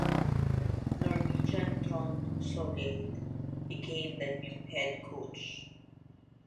Norwegian Trond Sollied became the new head coach.